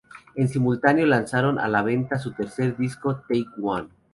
En simultáneo lanzaron a la venta su tercer disco: "Take one".